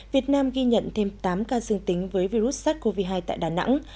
việt nam ghi nhận thêm tám ca dương tính với virus sars cov hai tại đà nẵng